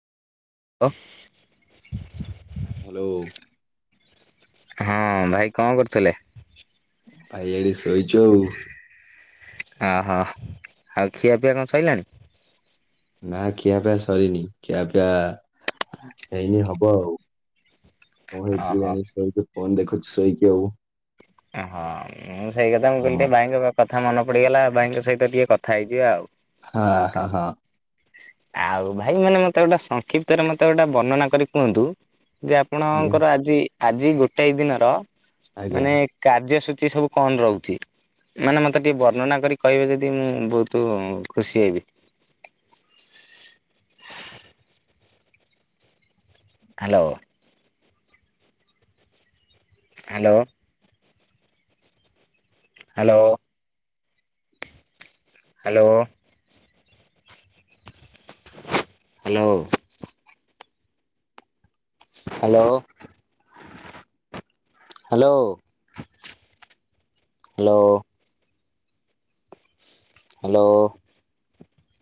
Hello. Hello. ହଁ ଭାଇ କଣ କରୁଥିଲେ? ଭାଇ ଏଠି ଶୋଇଛୁ ଆଉ। ଅ ହ ଆଉ ଖିଆପିଆ କଣ ସଇଲାଣି? ନା ଖିଆପିଆ ସରିନି, ଖିଆପିଆ ହେଇନି ହବ ଆଉ। କଣ ହେଇଚି ଓହୋ। କେଜାଣି ଶୋଇକି ଫୋନ୍ ଦେଖୁଚୁ ଶୋଇକି ଆଉ। ଆ ହାଏ। ମୁଁ ସେଇ କଥା ମୁଁ କହିଲି ହଁ ଟିକେ ଭାଇଙ୍କ କଥା ମନେ ପଡିଗଲା ଭାଇଙ୍କ ସହିତ ଟିକେ କଥା ହେଇଯିବା ଆଉ। ହାଁ ହଁ ହଁ। ଆଉ ଭାଇ ମାନେ ମତେ ଗୋଟେ ସଂକ୍ଷିପ୍ତରେ ମତେ ଗୋଟେ ବର୍ଣନା କରି କୁହନ୍ତୁ ଯେ ଆପ ଆଜ୍ଞା ଣଙ୍କର ଆଜି ଆଜି ଗୋଟାଏ ଦିନର ଆଜ୍ଞା ମାନେ କାର୍ଯ୍ୟସୂଚୀ ସବୁ କଣ ରହୁଛି? ମାନେ ମତେ ଟିକେ ବର୍ଣ୍ଣନା କରି କହିବେ ଯଦି ମୁଁ ବହୁତୁ ଖୁସି ହେବି। Hello. Hello. Hello. Hello. Hello. Hello. Hello hello. Hello.